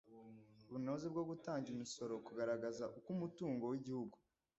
bunoze bwo gutanga imisoro kugaragaza uko umutungo w igihugu